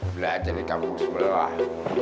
belajar di kampung sebelah